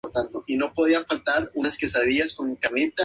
Árbol familiar de la Casa Tully al comienzo de Juego de Tronos.